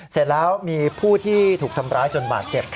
เสร็จแล้วมีผู้ที่ถูกทำร้ายจนบาดเจ็บ